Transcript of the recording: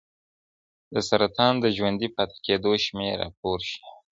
د سرطان د ژوندي پاتې کېدو شمېر راپور شوی.